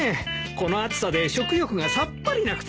この暑さで食欲がさっぱりなくて。